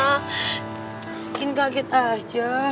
mungkin kaget aja